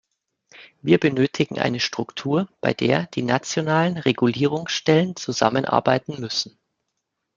Wir benötigen eine Struktur, bei der die nationalen Regulierungsstellen zusammenarbeiten müssen.